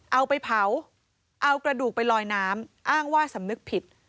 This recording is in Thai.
เอาไปเผาเอากระดูกไปลอยน้ำอ้างว่าสำนึกผิด